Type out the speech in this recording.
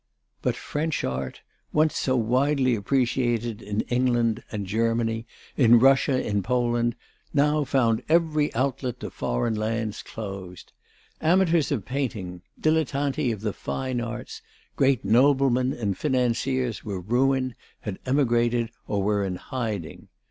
But French Art, once so widely appreciated in England, and Germany, in Russia, in Poland, now found every outlet to foreign lands closed. Amateurs of painting, dilettanti of the fine arts, great noblemen and financiers, were ruined, had emigrated or were in hiding.